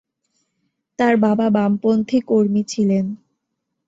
তার বাবা বামপন্থী কর্মী ছিলেন।